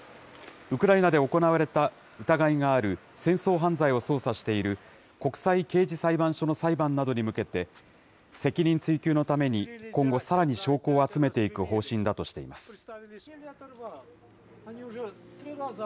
ウクライナで行われた疑いがある戦争犯罪を捜査している国際刑事裁判所の裁判などに向けて、責任追及のために今後、さらに証拠を集めていく方針だとしています。